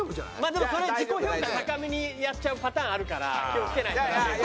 でもそれ自己評価高めにやっちゃうパターンあるから気を付けないとなっていう。